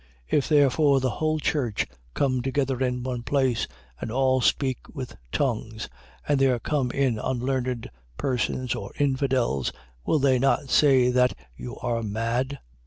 14:23. If therefore the whole church come together into one place, and all speak with tongues, and there come in unlearned persons or infidels, will they not say that you are mad?